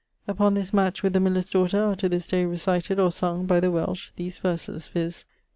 Upon this match with the miller's daughter are to this day recited, or sung, by the Welsh, these verses: viz.